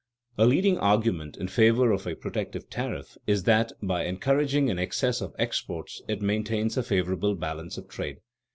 _A leading argument in favor of a protective tariff is that by encouraging an excess of exports it maintains a favorable balance of trade.